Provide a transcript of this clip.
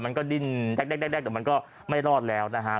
มันก็ดิ้นแก๊กแต่มันก็ไม่รอดแล้วนะฮะ